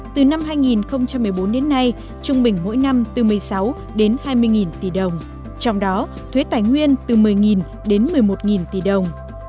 từ năm hai nghìn một mươi bốn đến nay trung bình mỗi năm từ một mươi sáu đến hai mươi tỷ đồng trong đó thuế tài nguyên từ một mươi đến một mươi một tỷ đồng